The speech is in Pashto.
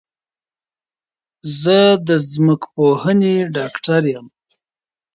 زه د ځمکپوهنې ډاکټر یم